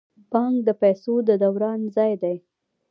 بانک د پیسو د دوران ځای دی